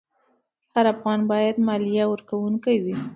هر افغان باید مالیه ورکوونکی وي.